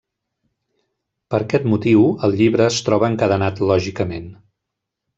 Per aquest motiu, el llibre es troba encadenat lògicament.